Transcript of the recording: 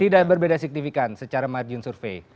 tidak berbeda signifikan secara margin survei